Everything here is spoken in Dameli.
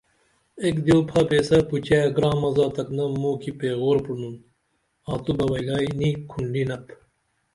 ایک دیو پھاپیسہ پوچئے گرامہ زاتکنم موکی پیگور پرینُن آں تو بہ ویلیائی نی کھونڈینپ